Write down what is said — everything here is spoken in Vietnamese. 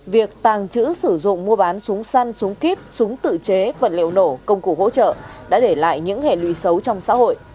việc tàng trữ sử dụng mua bán súng săn súng kíp súng tự chế vật liệu nổ công cụ hỗ trợ đã để lại những hệ lụy xấu trong xã hội